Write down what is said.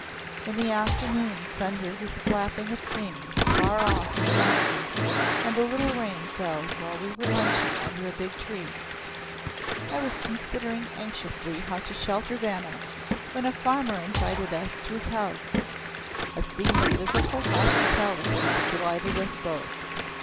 In the afternoon thunder was flapping its wings far off in the mountains and a little rain fell while we were lunching under a big tree. I was considering anxiously how to shelter Vanna, when a farmer invited us to his house a scene of Biblical hospitality that delighted us both.